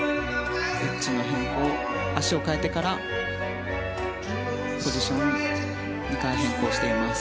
エッジの変更、足を換えてからポジションを２回変更しています。